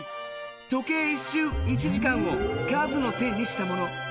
時計１しゅう１時間を数の線にしたもの。